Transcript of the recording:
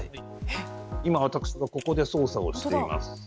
今私がここで操作をしています。